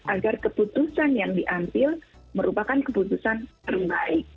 agar keputusan yang diambil merupakan keputusan terbaik